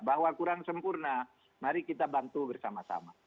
bahwa kurang sempurna mari kita bantu bersama sama